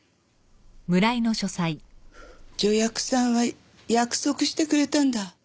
助役さんは約束してくれたんだ。